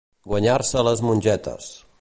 Guanyar-se les mongetes.